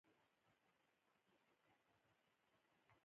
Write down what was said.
رئیس جمهور خپلو عسکرو ته امر وکړ؛ د عامه شتمنیو ساتنه وکړئ!